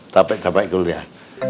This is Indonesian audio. tapi tapi guliah